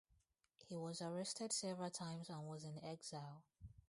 He was arrested several times and was in exile.